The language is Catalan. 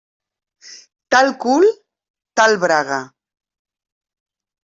Tal cul, tal braga.